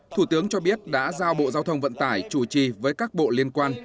thủ tướng cho biết đã giao bộ giao thông vận tải chủ trì với các bộ liên quan